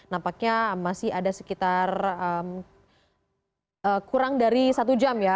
nampaknya masih ada sekitar kurang dari satu jam ya